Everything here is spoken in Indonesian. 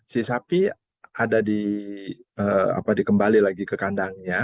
si sapi ada dikembali lagi ke kandangnya